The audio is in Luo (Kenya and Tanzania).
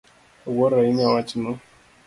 Awuoro ahinya wachno.